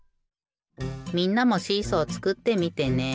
みんなもシーソーつくってみてね。